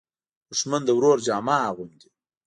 دښمن د ورور جامه اغوندي